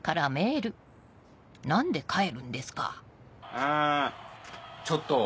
あちょっと。